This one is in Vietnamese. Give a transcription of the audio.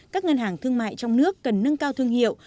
các ngân hàng thương mại trong nước cần nâng cao thương hiệu